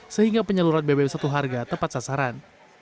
sehingga penyaluran bbm satu harga tepat sasaran